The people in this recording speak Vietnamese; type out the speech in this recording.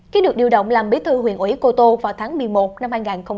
khi được điều động làm bí thư huyện ủy cô tô vào tháng một mươi một năm hai nghìn một mươi chín